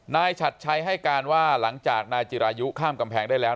ฉัดชัยให้การว่าหลังจากนายจิรายุข้ามกำแพงได้แล้ว